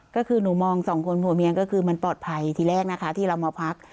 ก็คือหนูมองสองคนผัวเมียก็คือมันปลอดภัยทีแรกนะคะที่เรามาพัก